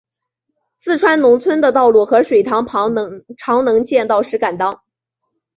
四川农村的道路和水塘旁常能见到石敢当。